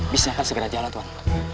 bisnya akan segera jalan tuhan